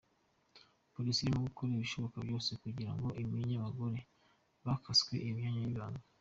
Polisi irimo gukora ibishoboka byose kugira ngo imenye abagore bakaswe iyo myanya y’ibanga.